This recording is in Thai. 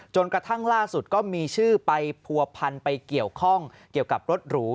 กระทั่งล่าสุดก็มีชื่อไปผัวพันไปเกี่ยวข้องเกี่ยวกับรถหรู